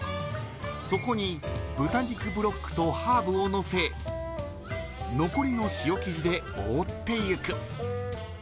そこに豚肉ブロックとハーブをのせ残りの塩生地で覆っていく。